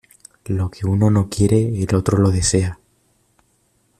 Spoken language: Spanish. Lo que uno no quiere el otro lo desea.